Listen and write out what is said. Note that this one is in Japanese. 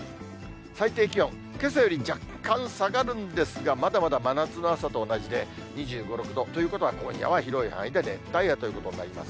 最低気温、けさより若干下がるんですが、まだまだ真夏の暑さと同じで、２５、６度。ということは今夜は広い範囲で熱帯夜ということになります。